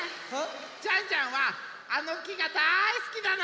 ジャンジャンはあのきがだいすきなの！